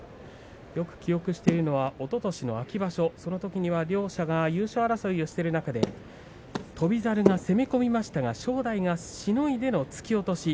よく記憶しているのはおととしの秋場所そのときには両者が優勝争いをしている中で翔猿が攻め込みましたが正代がしのいでの突き落とし。